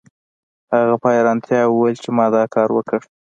هغه په حیرانتیا وویل چې ما دا کار وکړ